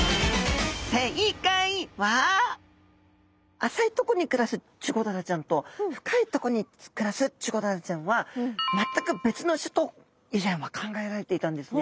浅いとこに暮らすチゴダラちゃんと深いとこに暮らすチゴダラちゃんは全く別の種と以前は考えられていたんですね。